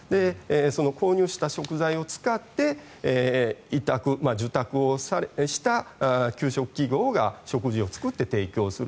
購入した食材を使って受託をした給食企業が食事を作って提供する。